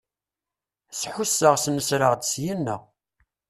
Sḥusseɣ snesreɣ-d syina.